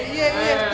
iya iya setuju lah